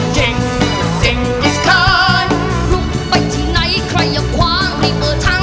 เจ๋งเจ๋งดิสการลุกไปที่ไหนใครอย่าคว้างรีบเปิดทาง